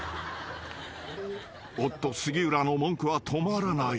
［夫杉浦の文句は止まらない］